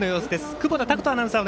久保田拓人アナウンサー